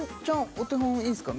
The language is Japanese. お手本いいすか？